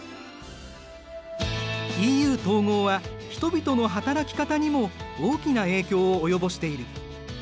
ＥＵ統合は人々の働き方にも大きな影響を及ぼしている。